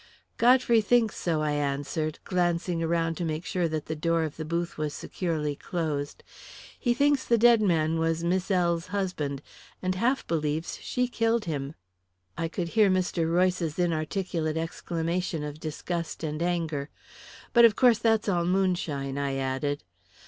"Godfrey thinks so," I answered, glancing around to make sure that the door of the booth was securely closed. "He thinks the dead man was Miss L.'s husband, and half believes she killed him." I could hear Mr. Royce's inarticulate exclamation of disgust and anger. "But of course that's all moonshine," I added.